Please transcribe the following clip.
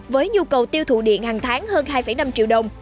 với nhu cầu tiêu thụ điện hàng tháng hơn hai năm triệu đồng